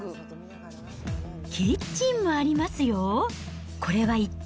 キッチンもありますよ。